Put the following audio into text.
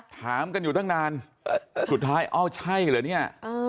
ถามกันอยู่ตั้งนานสุดท้ายเอ้าใช่เหรอเนี่ย